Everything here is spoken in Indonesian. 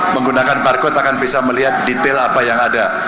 menggunakan barcode akan bisa melihat detail apa yang ada